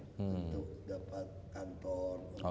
untuk dapat kantor untuk apa ya